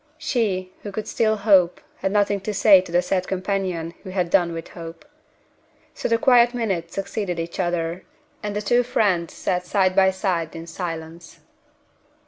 She, who could still hope, had nothing to say to the sad companion who had done with hope. So the quiet minutes succeeded each other, and the two friends sat side by side in silence.